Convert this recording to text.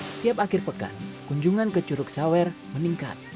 setiap akhir pekan kunjungan ke curug sawer meningkat